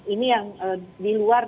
ini yang di luar